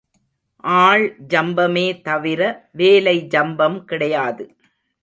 ஆள் ஜம்பமே தவிர வேலை ஜம்பம் கிடையாது.